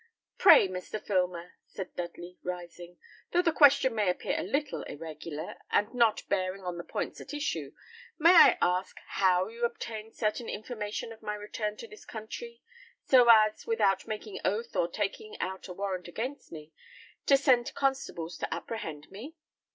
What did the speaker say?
"Pray, Mr. Filmer," said Dudley, rising, "though the question may appear a little irregular, and not bearing on the points at issue, may I ask how you obtained certain information of my return to this country, so as, without making oath or taking out a warrant against me, to send constables to apprehend me?"